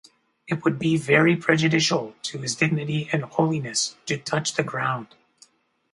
It would be very prejudicial to his dignity and holiness to touch the ground.